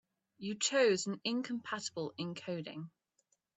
You chose an incompatible encoding.